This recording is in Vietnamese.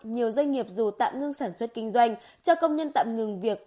nhiều doanh nghiệp dù tạm ngưng sản xuất kinh doanh cho công nhân tạm ngừng việc